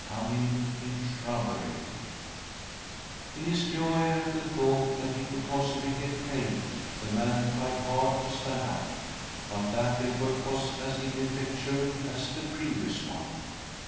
V ' 1 coming in shrubbery In his joy at the thought that he could possibly get help, the man tried hard to stand up,, but that' effort was as ineffectual as the previous one.